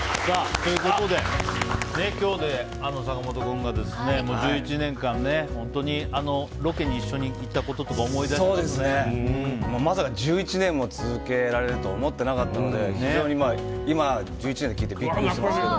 今日で坂本君が１１年間本当にロケに一緒に行ったこととかまさか１１年も続けられると思ってなかったので非常に今１１年って聞いてビックリしてます。